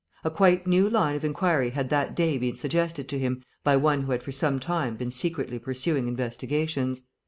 A quite new line of inquiry had that day been suggested to him by one who had for some time been secretly pursuing investigations.